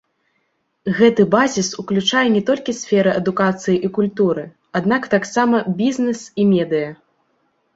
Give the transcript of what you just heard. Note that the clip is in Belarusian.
Гэты базіс уключае не толькі сферы адукацыі і культуры, аднак таксама бізнес і медыя.